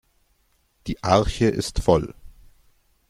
Die Arche ist voll.